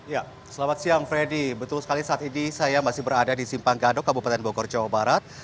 ya selamat siang freddy betul sekali saat ini saya masih berada di simpang gadok kabupaten bogor jawa barat